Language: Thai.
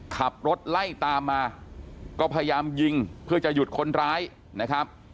ขับรถไล่ตามมาก็พยายามยิงเพื่อจะหยุดคนร้ายนะครับ